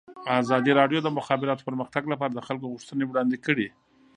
ازادي راډیو د د مخابراتو پرمختګ لپاره د خلکو غوښتنې وړاندې کړي.